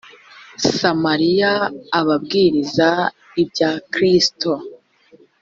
samariya ababwiriza ibya kristo